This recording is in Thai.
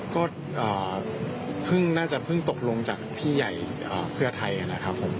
ก็เพิ่งน่าจะเพิ่งตกลงจากพี่ใหญ่เพื่อไทยนะครับผม